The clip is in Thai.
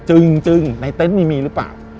จริงในเต็นต์นี่มีหรือเปล่า